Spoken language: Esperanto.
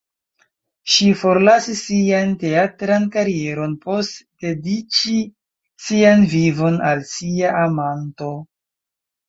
Ŝi forlasis sian teatran karieron post dediĉi sian vivon al sia ama(n)to.